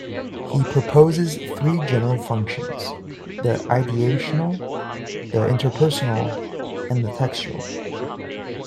He proposes three general functions: the "ideational", the "interpersonal" and the "textual".